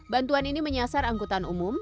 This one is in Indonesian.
bantuan ini menyasar angkutan umum